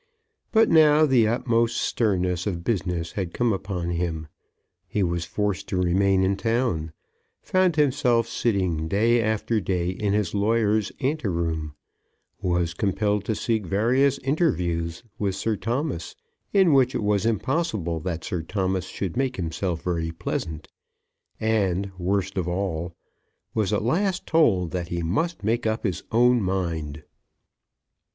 But now the utmost sternness of business had come upon him. He was forced to remain in town, found himself sitting day after day in his lawyer's anteroom, was compelled to seek various interviews with Sir Thomas, in which it was impossible that Sir Thomas should make himself very pleasant; and, worst of all, was at last told that he must make up his own mind!